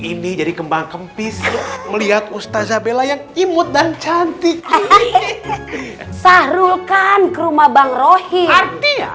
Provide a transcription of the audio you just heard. ini jadi kembang kempis melihat ustaz abela yang imut dan cantik sahrulkan kerumah bangrohi artinya